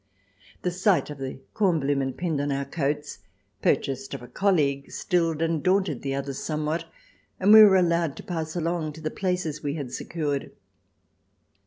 The sight of the Kornblumen pinned on our coats, purchased of a colleague, stilled and daunted the others some what, and we were allowed to pass along to the places we had secured.